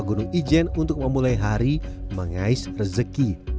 saya harus mengambil alat yang tepat untuk memulai hari mengais rezeki